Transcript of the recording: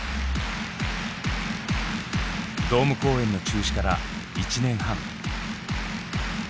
ドーム公演の中止から１年半。